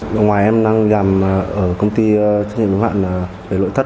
đầu ngoài em đang làm ở công ty thiên nhiên đồng hạn về lỗi thất